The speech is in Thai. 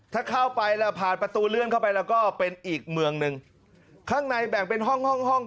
ถ้าเข้าไปแล้วผ่านประตูเลื่อนเข้าไปแล้วก็เป็นอีกเมืองหนึ่งข้างในแบ่งเป็นห้องห้องห้อง